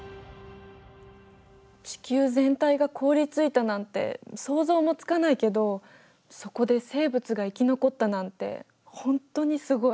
地球全体が凍りついたなんて想像もつかないけどそこで生物が生き残ったなんて本当にすごい。